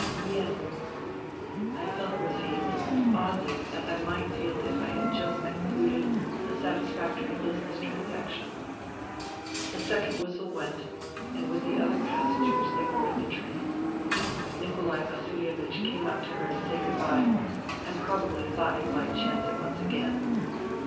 " Yes." I felt relieved — oddly as I might feel if I had just concluded a satisfactory business transaction. The second whistle went, and with the other THE THREE SISTERS 25 passengers they boarded the train. Nikolai Vasihe vich came up to her to say good bye and probably thought he might chance it once again.